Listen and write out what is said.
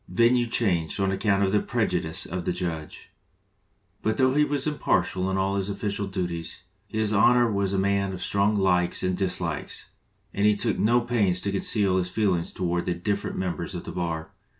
Venue changed on account of the prejudice of the judge." 182 JUDGE DAVIS AND LINCOLN But though he was impartial in all his official duties, his Honor was a man of strong likes and dislikes, and he took no pains to conceal his feel ings toward the different members of the bar.